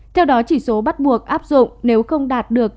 theo đó chỉ số bắt buộc áp dụng nếu không đạt được